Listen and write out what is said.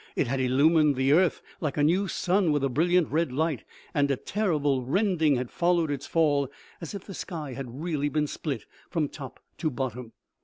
It had illumined the earth like a new sun with a brilliant red light, and a terrible rending had followed its fall, as if the sky had really been split from top to bottom.